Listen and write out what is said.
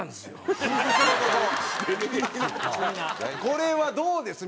これはどうです？